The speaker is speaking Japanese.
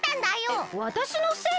えっわたしのせい？